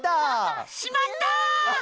しまった！